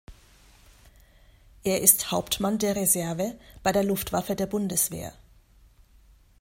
Er ist Hauptmann der Reserve bei der Luftwaffe der Bundeswehr.